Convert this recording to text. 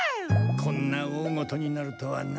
こんなおおごとになるとはな。